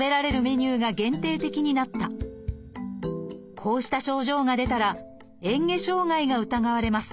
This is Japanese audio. こうした症状が出たらえん下障害が疑われます。